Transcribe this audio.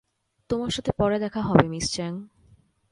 তোমার সাথে পরে দেখা হবে, মিস চ্যাং।